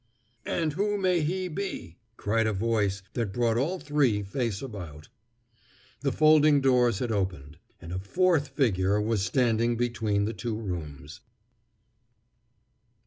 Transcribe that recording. "And who may he be?" cried a voice that brought all three face about. The folding doors had opened, and a fourth figure was standing between the two rooms.